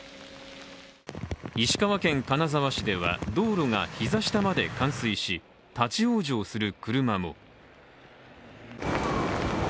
石川県金沢市では、道路が膝下まで冠水し立往生する車も。